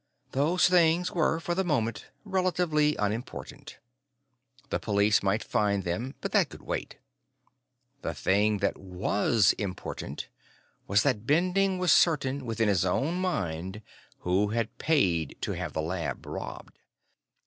Those things were, for the moment, relatively unimportant. The police might find them, but that could wait. The thing that was important was that Bending was certain within his own mind who had paid to have the lab robbed.